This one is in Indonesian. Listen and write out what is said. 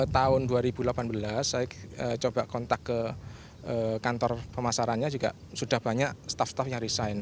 tahun dua ribu delapan belas saya coba kontak ke kantor pemasarannya juga sudah banyak staff staff yang resign